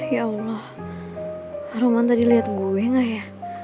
ya allah raman tadi liat gue gak ya